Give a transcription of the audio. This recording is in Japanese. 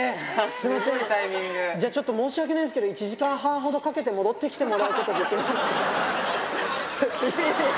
すみません、それじゃ、ちょっと申し訳ないんですけど、１時間半ほどかけて戻ってきてもらうことできますか？